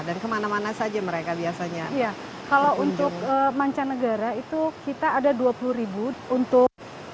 dan kemana mana saja mereka biasanya iya kalau untuk mancanegara itu kita ada dua puluh untuk